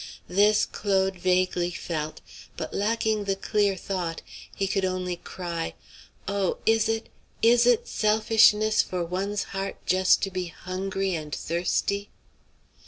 This Claude vaguely felt; but lacking the clear thought, he could only cry, "Oh, is it, is it, selfishness for one's heart just to be hungry and thirsty?"